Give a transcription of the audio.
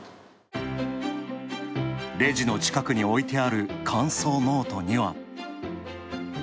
レジの近くに置いてある感想ノートには。